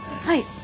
はい。